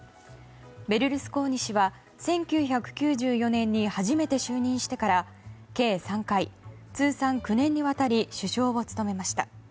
ベルルスコーニ氏は１９９４年に初めて就任してから計３回、通算９年にわたり首相を務めました。